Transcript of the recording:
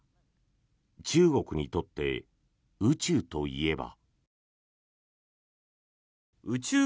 中国にとって宇宙といえば。